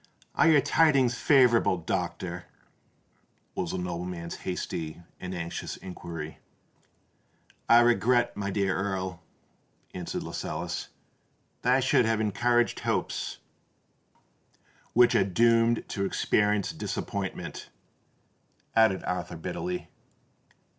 "Are your tidings favourable, doctor?" was the nobleman's hasty and anxious inquiry. "I regret, my dear Earl," answered Lascelles, "that I should have encouraged hopes——" "Which are doomed to experience disappointment," added Arthur bitterly.